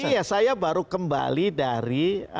iya saya baru kembali dari